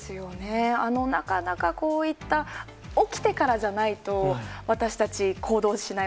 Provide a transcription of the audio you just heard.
なかなかこういった、起きてからじゃないと、私たち、行動しない。